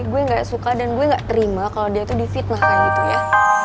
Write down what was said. gue yang gak suka dan gue gak terima kalau dia tuh difitnah kayak gitu ya